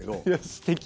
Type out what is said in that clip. すてき。